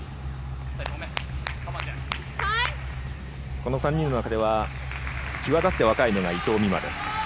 この３人の中では際立って若いのが伊藤美誠です。